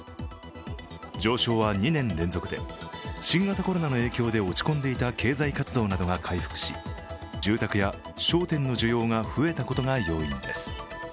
上昇は２年連続で、新型コロナの影響で落ち込んでいた経済活動などが回復し、住宅や商店の需要が増えたことが要因です。